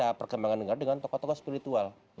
ya perkembangan negara dengan tokoh tokoh spiritual